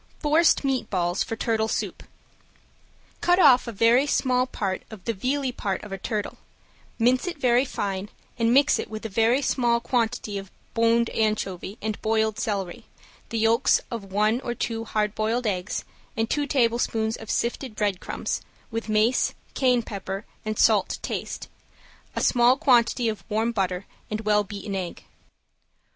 ~FORCED MEAT BALLS FOR TURTLE SOUP~ Cut off a very small part of the vealy part of a turtle, mince it very fine and mix it with a very small quantity of boned anchovy and boiled celery, the yolks of one or two hard boiled eggs, and two tablespoons of sifted breadcrumbs, with mace, cayenne pepper and salt to taste, a small quantity of warm butter, and well beaten egg.